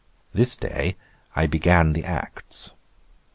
This day I began the Acts.